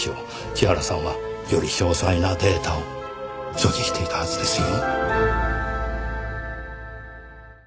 千原さんはより詳細なデータを所持していたはずですよ。